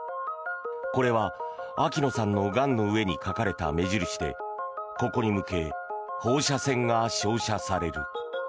これは秋野さんのがんの上に書かれた目印でここに向け放射線が照射される。